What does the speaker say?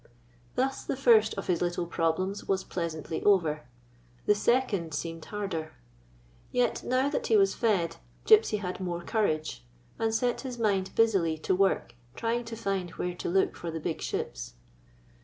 Thus the first of his little problems was pleasantly over ; the second seemed harder. Yet, now that he was fed, Gypsy had more courage, and set his mind busily to work trying to find where to look for the big ships.